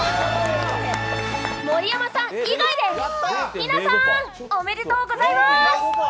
盛山さん以外ですみなさんおめでとうございます！